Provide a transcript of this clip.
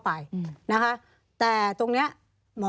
มีความรู้สึกว่ามีความรู้สึกว่า